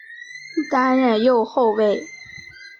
担任右后卫。